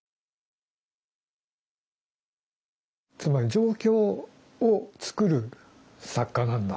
つまり状況を作る作家なんだ。